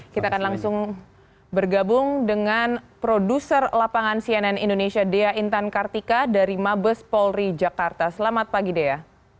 kita akan langsung bergabung dengan produser lapangan cnn indonesia dea intan kartika dari mabes polri jakarta selamat pagi dea